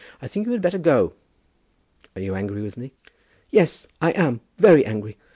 I think that you had better go." "Are you angry with me?" "Yes, I am, very angry.